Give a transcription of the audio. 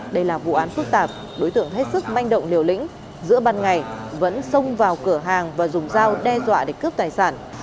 đây là vụ án phức tạp đối tượng hết sức manh động liều lĩnh giữa ban ngày vẫn xông vào cửa hàng và dùng dao đe dọa để cướp tài sản